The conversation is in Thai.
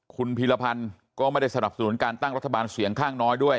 คุณพีรพันธ์ก็ไม่ได้สนับสนุนการตั้งรัฐบาลเสียงข้างน้อยด้วย